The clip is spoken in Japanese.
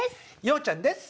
洋ちゃんです。